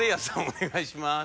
お願いします。